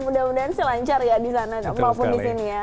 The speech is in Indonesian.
mudah mudahan sih lancar ya di sana maupun di sini ya